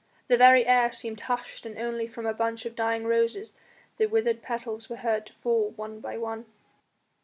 The very air seemed hushed and only from a bunch of dying roses the withered petals were heard to fall one by one.